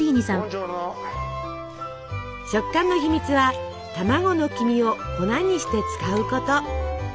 食感の秘密は卵の黄身を粉にして使うこと。